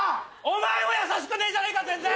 お前も優しくねえじゃねえか全然！